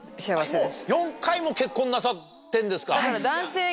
４回も結婚なさってんですか。